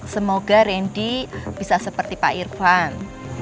semoga reni bisa seperti pak irvan